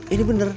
ini bener loh